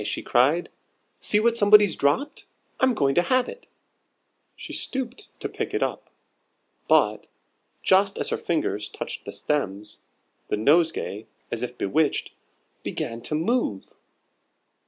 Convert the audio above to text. she cried, "see what somebody's dropped! I'm going to have it." She stooped to pick it up. But, just as her fingers touched the stems, the nosegay, as if bewitched, began to move.